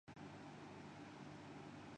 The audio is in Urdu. اتنا خوفناک تھا کہ اداکارہ کی